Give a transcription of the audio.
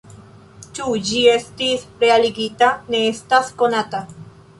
Ĉu ĝi estis realigita, ne estas konata.